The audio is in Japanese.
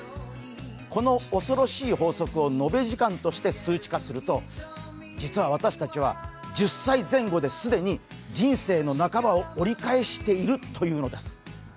この恐ろしい法則を延べ時間として数値化すると実は私たちは１０歳前後で既に人生の半ばを折り返しているというのです。